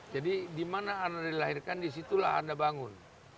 jadi dimana anda dilahirkan disitulah anda bangun